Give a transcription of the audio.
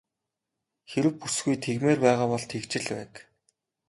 Хэрэв бүсгүй тэгмээр байгаа бол тэгж л байг.